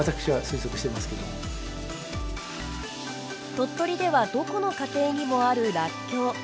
鳥取ではどこの家庭にもあるらっきょう。